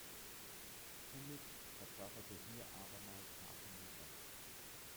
Hummitzsch verkörperte hier abermals Martin Luther.